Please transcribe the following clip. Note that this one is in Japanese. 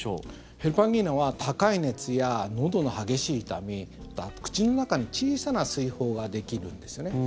ヘルパンギーナは高い熱や、のどの激しい痛みあと口の中に小さな水疱ができるんですね。